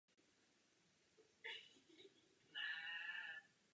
Na smlouvu ale nečekal dlouho.